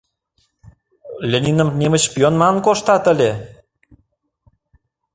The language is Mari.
— Лениным немыч шпион манын коштат ыле?